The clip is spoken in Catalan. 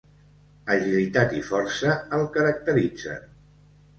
Agilitat i força el caracteritzen.